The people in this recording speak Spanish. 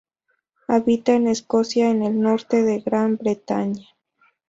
Habita en Escocia en el norte de Gran Bretaña.